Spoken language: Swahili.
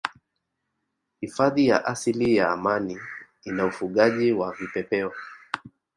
Hifadhi ya asili ya Amani ina ufugaji wa Vipepeo